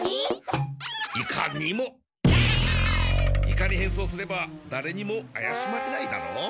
イカにへんそうしすればだれにもあやしまれないだろう？